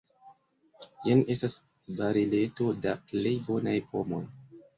Jen estas bareleto da plej bonaj pomoj.